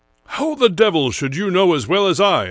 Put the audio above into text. " How the devil should you know as well as I